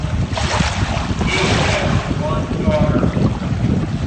He has one daughter.